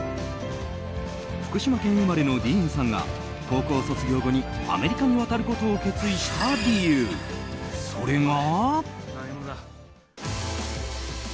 福島県生まれのディーンさんが高校卒業後にアメリカに渡ることを決意した理由それが。